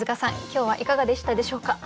今日はいかがでしたでしょうか？